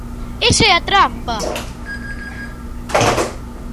¡Esa é a trampa!